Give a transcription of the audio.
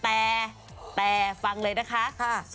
แต่ฟังเลยนะคะ